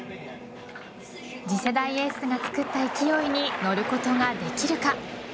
次世代エースがつくった勢いに乗ることができるか。